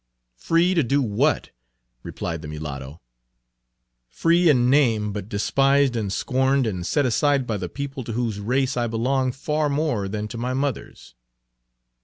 "Free to do what?" replied the mulatto. "Free in name, but despised and scorned and set aside by the people to whose race I belong far more than to my mother's."